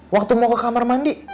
waktu mau ke kamar mandi